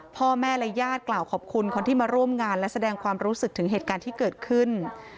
พ่อแม่และญาติกล่าวขอบคุณคนที่มาร่วมงานและแสดงความรู้สึกถึงเหตุการณ์ที่เกิดขึ้น